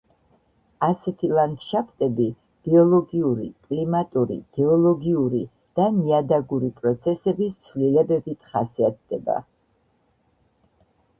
ასეთი ლანდშფტები ბიოლოგიური, კლიმატური, გეოლოგიური და ნიადაგური პროცესების ცლილებებით ხასიათებით.